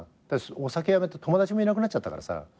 お酒やめて友達もいなくなっちゃったからさ。